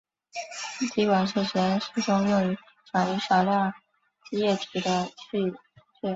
滴管是实验室中用于转移少量液体的器皿。